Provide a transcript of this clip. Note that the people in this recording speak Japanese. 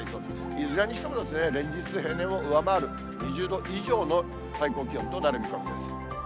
いずれにしても連日、平年を上回る２０度以上の最高気温となる見込みです。